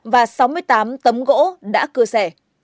và sáu mươi tám tấm gỗ đã cưa xẻ